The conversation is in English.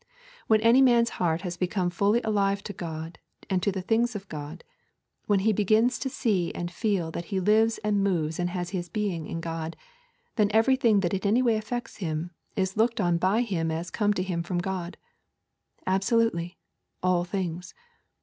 When any man's heart has become fully alive to God and to the things of God; when he begins to see and feel that he lives and moves and has his being in God; then everything that in any way affects him is looked on by him as come to him from God. Absolutely, all things.